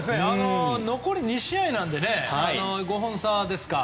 残り２試合で５本差ですか。